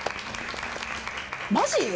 マジ？